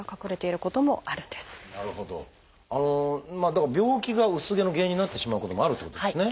だから病気が薄毛の原因になってしまうこともあるってことですね。